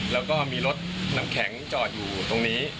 แล้วก็มีรถน้ำแข็งจอดอยู่ตรงนี้